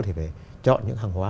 thì phải chọn những hàng hóa